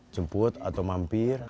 jemput atau mampir